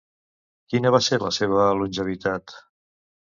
Quina va ser la seva longevitat?